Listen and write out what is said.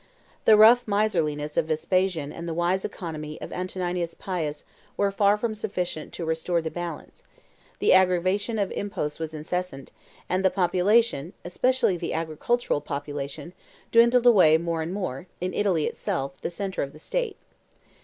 The rough miserliness of Vespasian and the wise economy of Antoninus Pius were far from sufficient to restore the balance; the aggravation of imposts was incessant; and the population, especially the agricultural population, dwindled away more and more, in Italy itself, the centre of the state.